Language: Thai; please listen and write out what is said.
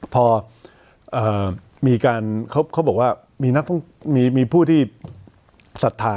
พอมีการเขาบอกว่ามีผู้ที่ศรัทธา